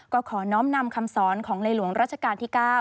ก็ขอน้อมนำคำสอนของในหลวงรัชกาลที่๙